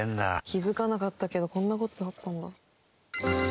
気づかなかったけどこんな事あったんだ。